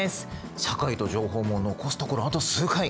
「社会と情報」も残すところあと数回。